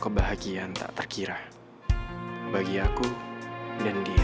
kebahagiaan tak terkira bagi aku dan dia